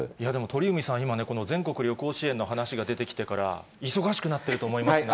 鳥海さん、今ね、この全国旅行支援の話が出てきてから、忙しくなってると思いますが。